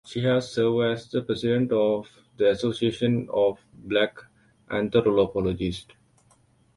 She has served as the President of the Association of Black Anthropologists.